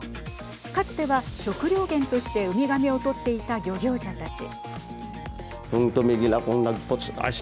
かつては食料源として海亀をとっていた漁業者たち。